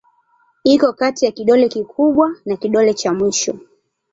Iko kati ya kidole kikubwa na kidole cha mwisho.